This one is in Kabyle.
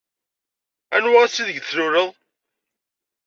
Anwa ass ideg tluleḍ?